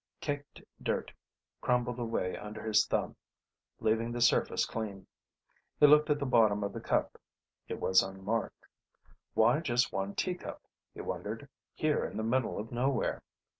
Caked dirt crumbled away under his thumb, leaving the surface clean. He looked at the bottom of the cup. It was unmarked. Why just one teacup, he wondered, here in the middle of nowhere?